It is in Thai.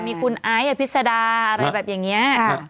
มีคุณไอซ์อภิษดาอะไรแบบอย่างนี้